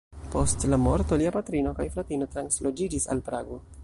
Post la morto, lia patrino kaj fratino transloĝiĝis al Prago.